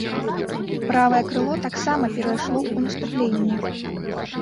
Правае крыло таксама перайшло ў наступленне.